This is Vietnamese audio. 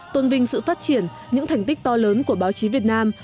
tôn vinh sự phát triển những thành tích to lớn của báo chí việt nam